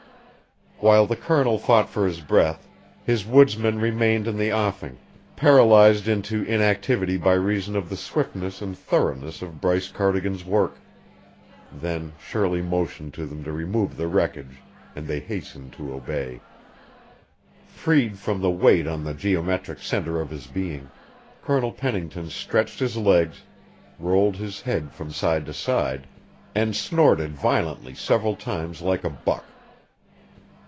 While the Colonel fought for his breath, his woodsmen remained in the offing, paralyzed into inactivity by reason of the swiftness and thoroughness of Bryce Cardigan's work; then Shirley motioned to them to remove the wreckage, and they hastened to obey. Freed from the weight on the geometric centre of his being, Colonel Pennington stretched his legs, rolled his head from side to side, and snorted violently several times like a buck.